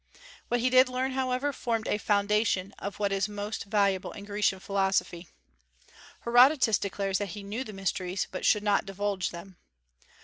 What he did learn, however, formed a foundation of what is most valuable in Grecian philosophy. Herodotus declares that he knew the mysteries, but should not divulge them.